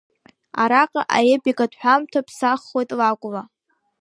Араҟа аепикатә ҳәамҭа ԥсаххоит лакәла.